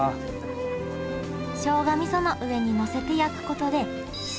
しょうがみその上に載せて焼くことでし